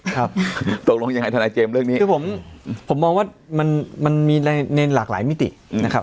คือผมมองว่ามันมีในหลากหลายมิตินะครับ